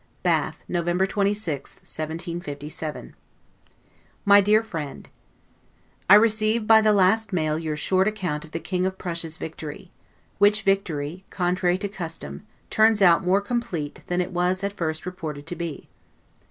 Adieu! LETTER CCXIV BATH, November 26, 1757 MY DEAR FRIEND: I received by the last mail your short account of the King of Prussia's victory; which victory, contrary to custom, turns out more complete than it was at first reported to be.